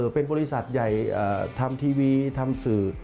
เป็นบริษัทใหญ่ทำทีวีทำสื่อ